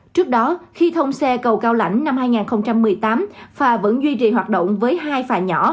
trước đó khi thông xe cầu cao lãnh năm hai nghìn một mươi tám phà vẫn duy trì hoạt động với hai phà nhỏ